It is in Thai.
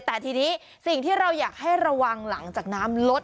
แต่ทีนี้สิ่งที่เราอยากให้ระวังหลังจากน้ำลด